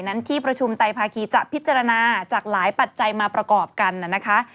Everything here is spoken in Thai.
ที่ประชุมไตภาคีจะพิจารณาจากหลายปัจจัยมาประกอบกันนะคะ